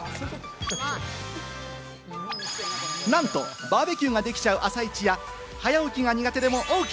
なんとバーベキューができちゃう朝市や、早起きが苦手でもＯＫ！